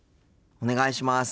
お願いします。